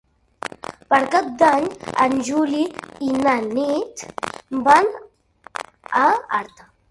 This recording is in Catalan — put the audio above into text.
Per Cap d'Any en Juli i na Nit van a Artà.